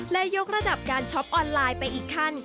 และยกระดับการช็อปออนไลน์ไปอีกขั้น